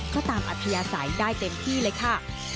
ก็ตามอัธยาศัยได้เต็มที่เลยค่ะ